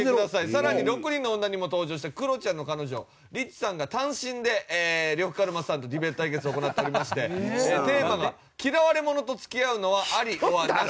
更に６人の女にも登場したクロちゃんの彼女リチさんが単身で呂布カルマさんとディベート対決を行っておりましてテーマが「嫌われ者と付き合うのはアリｏｒナシ」というテーマです。